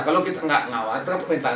kalau kita tidak mengawal itu permintaan